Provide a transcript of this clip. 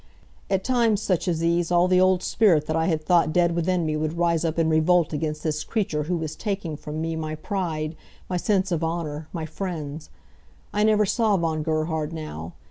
At times such as these all the old spirit that I had thought dead within me would rise up in revolt against this creature who was taking, from me my pride, my sense of honor, my friends. I never saw Von Gerhard now.